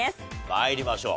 参りましょう。